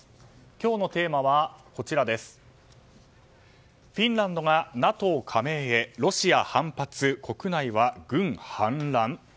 今日のテーマはフィンランドがＮＡＴＯ加盟へロシア反発、国内は軍反乱？